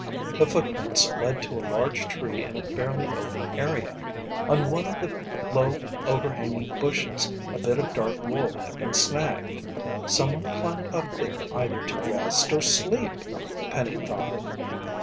The footprints led to a large tree in a fairly open area. On one of the low, overhanging bushes, a bit of dark wool had been snagged. "Someone climbed up there either to rest or sleep," Penny thought.